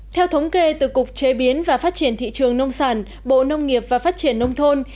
theo thống kê từ cục chế biến và phát triển thị trường nông sản bộ nông nghiệp và phát triển nông thôn